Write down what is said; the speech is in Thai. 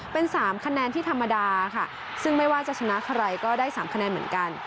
เป็น๓คะแนนที่ธรรมดาค่ะซึ่งไม่ว่าจะชนะใครก็ได้๓คะแนนเหมือนกัน